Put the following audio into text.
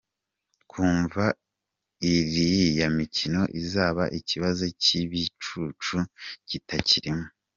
Twumva iriya mikino izaba ikibazo cy’ibicucu kitakirimo.